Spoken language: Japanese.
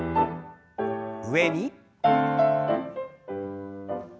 上に。